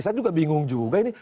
saya juga bingung juga ini